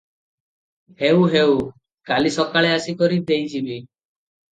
ହେଉ ହେଉ, କାଲି ସକାଳେ ଆସି କରି ଦେଇଯିବି ।"